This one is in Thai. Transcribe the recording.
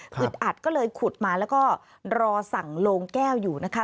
อึดอัดก็เลยขุดมาแล้วก็รอสั่งโลงแก้วอยู่นะคะ